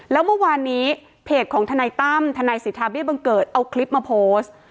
แล้วเมื่อวานนี้เพจของทนายตั้มทนายสิทธาเบี้ยบังเกิดเอาคลิปมาโพสต์